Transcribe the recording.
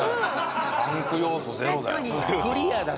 パンク要素ゼロだよなあ。